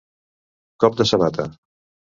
Cop de sabata.